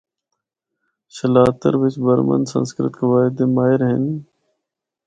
شلاتر بچ برھمن سنسکرت قوائد دے ماہر ہن۔